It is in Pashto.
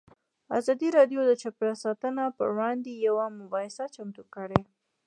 ازادي راډیو د چاپیریال ساتنه پر وړاندې یوه مباحثه چمتو کړې.